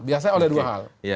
biasanya oleh dua hal